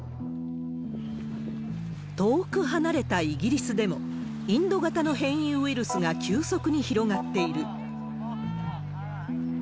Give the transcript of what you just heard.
遠く離れたイギリスでも、インド型の変異ウイルスが急速に広がっている。